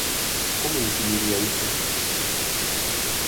¿Como definiría iso?